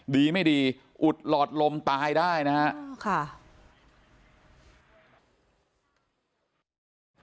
ดีไม่ดีอุดหลอดลมตายได้นะครับ